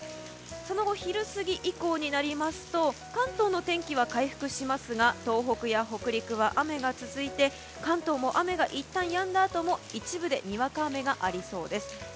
その後、昼過ぎ以降になりますと関東の天気は回復しますが東北や北陸は雨が続いて関東も雨がいったんやんだあとも一部でにわか雨がありそうです。